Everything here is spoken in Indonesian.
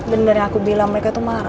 bener yang aku bilang mereka tuh marah